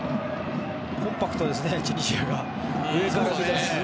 コンパクトですね、チュニジア。